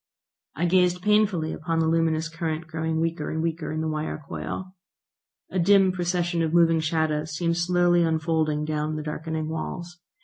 I gazed painfully upon the luminous current growing weaker and weaker in the wire coil. A dim procession of moving shadows seemed slowly unfolding down the darkening walls.